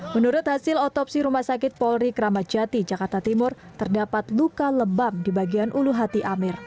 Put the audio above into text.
menurut hasil otopsi rumah sakit polri kramatjati jakarta timur terdapat luka lebam di bagian ulu hati amir